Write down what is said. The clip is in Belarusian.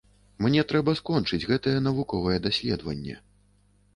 Мне трэба скончыць гэтае навуковае даследаванне.